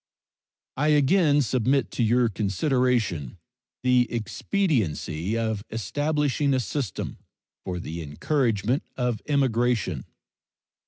I again submit to your consideration the expediency of establishing a system for the encouragement of immigration.